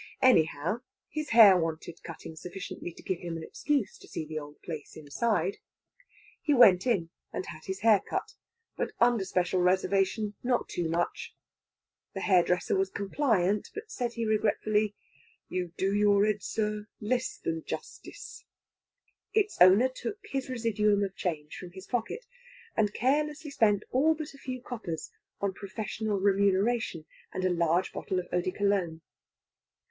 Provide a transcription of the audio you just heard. Anyhow, his hair wanted cutting sufficiently to give him an excuse to see the old place inside. He went in and had his hair cut but under special reservation; not too much! The hairdresser was compliant; but, said he, regretfully: "You do your 'ed, sir, less than justice." Its owner took his residuum of change from his pocket, and carelessly spent all but a few coppers on professional remuneration and a large bottle of eau de Cologne.